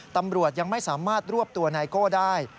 ตำรวจยังไม่สามารถรวบตัวไนโก้ได้